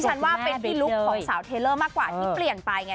ฉันว่าเป็นพี่ลุกของสาวเทลเลอร์มากกว่าที่เปลี่ยนไปไง